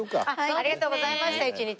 ありがとうございました一日。